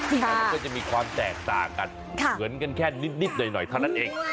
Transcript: แต่มันก็จะมีความแตกต่างกันเหมือนกันแค่นิดหน่อยเท่านั้นเอง